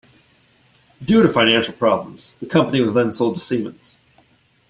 Due to financial problems, the company was then sold to Siemens.